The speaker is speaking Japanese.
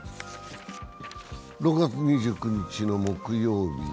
６月２９日の木曜日。